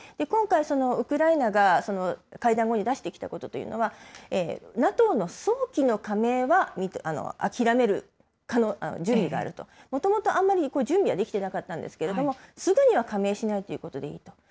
今回ウクライナが会談後に出してきたことというのは、ＮＡＴＯの早期の加盟は諦める準備があると、もともとあんまり準備はできてなかったんですけれども、すぐには加盟しないということでいいと。